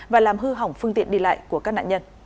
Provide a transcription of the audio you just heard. và làm hư hỏng phương tiện đi lại của các nạn nhân